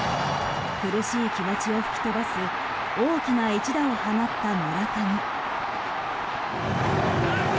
苦しい気持ちを吹き飛ばす大きな一打を放った村上。